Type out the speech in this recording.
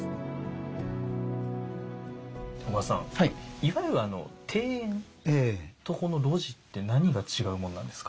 いわゆる庭園とこの露地って何が違うものなんですか？